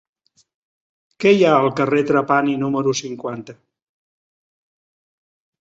Què hi ha al carrer de Trapani número cinquanta?